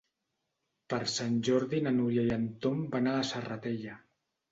Per Sant Jordi na Núria i en Tom van a la Serratella.